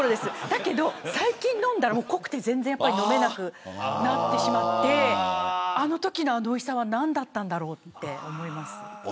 だけど最近飲んだら濃くて全然飲めなくなってしまってあのときの、あのおいしさは何だったんだろうと思います。